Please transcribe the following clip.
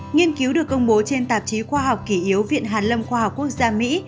nghiên cứu được công bố trên tạp chí khoa học kỷ yếu viện hàn lâm khoa học quốc gia mỹ